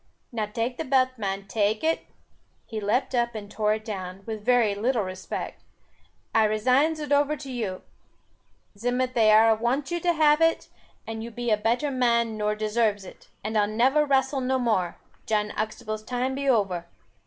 Now tak the belt, man, tak it " he leaped up, and tore it down, with very little respect, "I resigns it over to you; zimth they arl wants you to have it and you be a better man nor deserves it. And I'll never wrastle no more; Jan Uxtable's time be over.